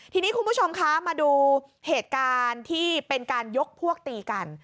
ทีนี้คุณผู้ชมคะมาดูเหตุการณ์ที่เป็นการยกพวกตีกัน